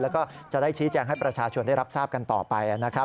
แล้วก็จะได้ชี้แจงให้ประชาชนได้รับทราบกันต่อไปนะครับ